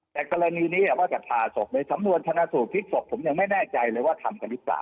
แต่กรณีนี้ว่าจะผ่าศพในสำนวนชนะสูตรพลิกศพผมยังไม่แน่ใจเลยว่าทำกันหรือเปล่า